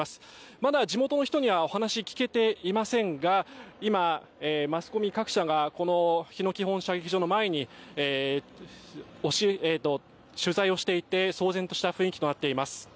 まだ地元の人にはお話聞けていませんが今マスコミ各社がこの日野基本射撃場の前で取材をしていて騒然とした雰囲気となっています。